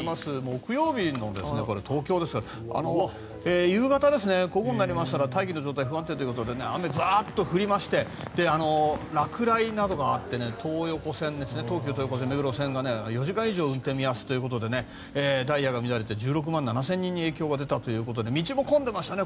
木曜日の東京ですが夕方、午後になりましたら大気の状態、不安定ということで雨、ザッと降りまして落雷などがあって東急東横線の路線が４時間以上運転見合わせということでダイヤが乱れて１６万７０００人に影響が出たということで道も混んでましたね